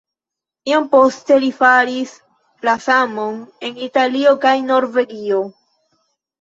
Iom poste li faris la samon en Italio kaj Norvegio.